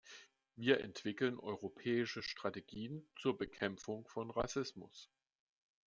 Wir entwickeln europäische Strategien zur Bekämpfung von Rassismus.